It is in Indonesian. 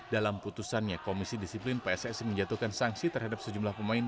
dalam putusannya komisi disiplin pssi menjatuhkan sanksi terhadap sejumlah pemain